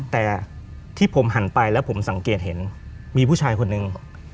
แต่ที่ผมหันไปแล้วผมสังเกตเห็นมีผู้ชายคนนึง